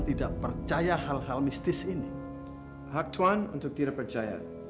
tidak percaya hal hal mistis ini hak cuan untuk tidak percaya